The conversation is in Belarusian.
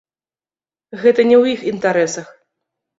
Гэта не ў іх інтарэсах.